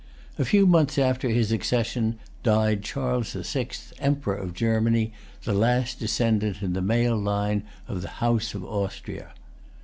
A few months after his accession died Charles the Sixth, Emperor of Germany, the last descendant, in the male line, of the House of Austria.